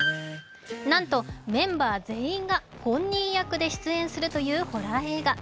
なんとメンバー全員が本人役で出演するというホラー映画。